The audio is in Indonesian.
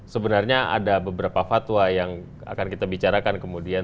sebenarnya ada beberapa fatwa yang akan kita bicarakan kemudian